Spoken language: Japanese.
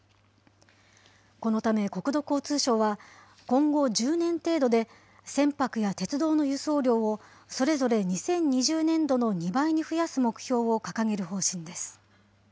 このため、国土交通省は、今後１０年程度で、船舶や鉄道の輸送量をそれぞれ２０２０年度の２倍に増やす目標を掲げる方針です。